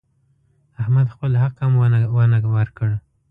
احمد خپل حق هم ونه ورکړ.